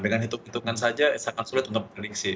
dengan hitung hitungan saja sangat sulit untuk prediksi